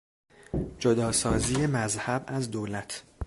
جداسازی مذهب از دولت